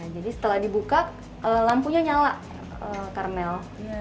jadi setelah dibuka lampunya nyala karnel